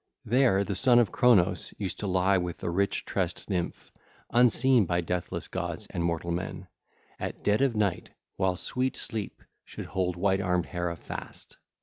There the son of Cronos used to lie with the rich tressed nymph, unseen by deathless gods and mortal men, at dead of night while sweet sleep should hold white armed Hera fast.